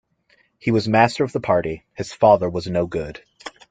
He was master of the party; his father was no good.